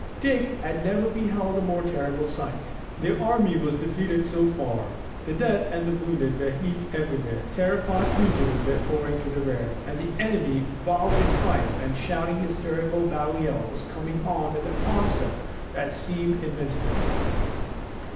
Dick had never beheld a more terrible sight. Their army was defeated so far, the dead and the wounded were heaped everywhere, terrified fugitives were pouring to the rear, and the enemy, wild with triumph, and shouting his terrible battle yell, was coming on with an onset that seemed invincible.